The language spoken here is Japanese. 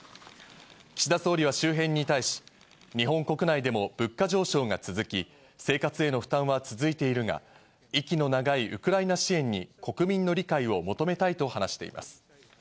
岸田総理は周辺に対し、日本国内でも物価上昇が続き、生活への負担は続いているが、息の長いウクライナ支援に国民の理解を求めたいと話しています。